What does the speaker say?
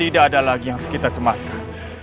tidak ada lagi yang harus kita cemaskan